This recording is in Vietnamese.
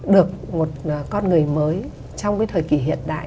được một con người mới trong cái thời kỳ hiện đại